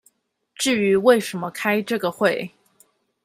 至於為什麼開這個會